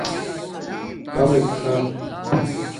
کمک کھا